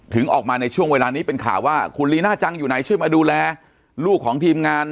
ถึงออกมาในช่วงเวลานี้เป็นข่าวว่าคุณลีน่าจังอยู่ไหนช่วยมาดูแลลูกของทีมงาน